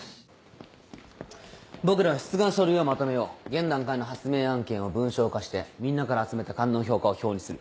僕らは出願書類をまとめよう現段階の発明案件を文章化してみんなから集めた官能評価を表にする。